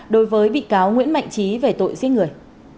đối với bị cáo nguyễn mạnh trí về tội giết người